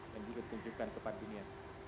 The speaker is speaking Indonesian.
dan juga menunjukkan kepadanya